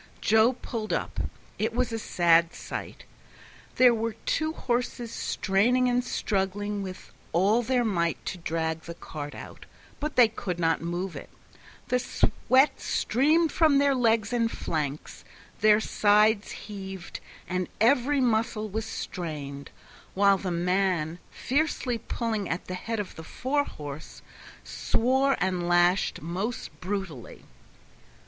Joe pulled up. It was a sad sight. There were the two horses straining and struggling with all their might to drag the cart out, but they could not move it; the sweat streamed from their legs and flanks, their sides heaved, and every muscle was strained, while the man, fiercely pulling at the head of the fore horse, swore and lashed most brutally.